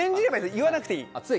言わなくていい？